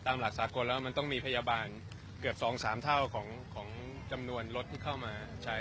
หลักสากลแล้วมันต้องมีพยาบาลเกือบ๒๓เท่าของจำนวนรถที่เข้ามาใช้